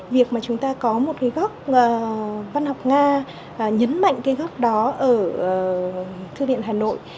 việc mà chúng ta có một cái góc văn học nga nhấn mạnh cái góc đó ở thư viện hà nội